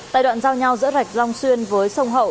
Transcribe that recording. tại đoạn giao nhau giữa rạch long xuyên với sông hậu